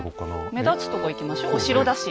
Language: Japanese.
目立つとこいきましょお城だし。